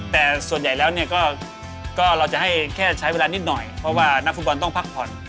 แต่ส่วนใหญ่แล้วเนี่ยก็เราจะให้แค่ใช้เวลานิดหน่อยเพราะว่านักฟุตบอลต้องพักผ่อน